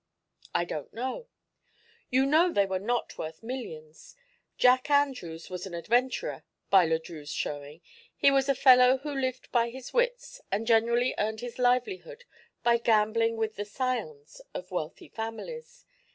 "I don't know." "You know they were not worth millions. Jack Andrews was an adventurer, by Le Drieux's showing; he was a fellow who lived by his wits and generally earned his livelihood by gambling with the scions of wealthy families.